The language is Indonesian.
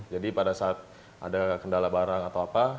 jadi pada saat ada kendala barang atau apa